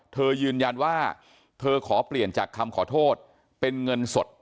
ยืนยันว่าเธอขอเปลี่ยนจากคำขอโทษเป็นเงินสด